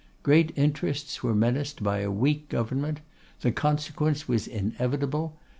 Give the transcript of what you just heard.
Great interests were menaced by a weak government. The consequence was inevitable.